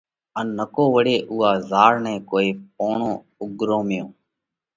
ان نڪو وۯي اُوئا زاۯ نئہ ڪوئي پوڻو اُڳروميو۔